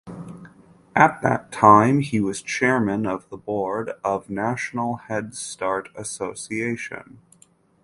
At that time he was chairman of the board of National Head Start Association.